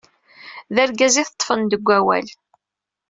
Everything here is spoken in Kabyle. D argaz iteṭṭfen deg awal.